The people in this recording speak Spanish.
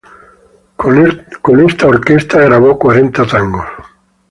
Con esta orquesta grabó cuarenta tangos.